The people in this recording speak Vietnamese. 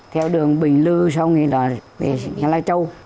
theo đường bình lưu xong rồi là về nhà lai châu